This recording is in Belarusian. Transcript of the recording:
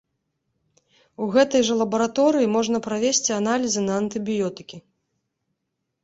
У гэтай жа лабараторыі можна правесці аналізы на антыбіётыкі.